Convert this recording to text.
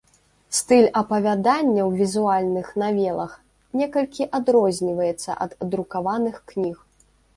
Стыль апавядання ў візуальных навелах некалькі адрозніваецца ад друкаваных кніг.